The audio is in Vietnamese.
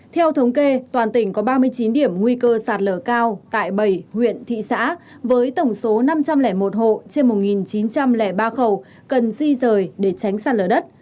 theo thống kê toàn tỉnh có ba mươi chín điểm nguy cơ sạt lở cao tại bảy huyện thị xã với tổng số năm trăm linh một hộ trên một chín trăm linh ba khẩu cần di rời để tránh sạt lở đất